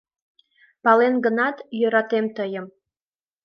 — Палем гынат, йӧратем тыйым...